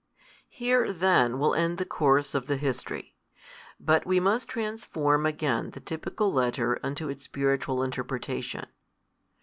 Here then will end the course of the history; but we must transform again the typical letter unto its spiritual interpretation.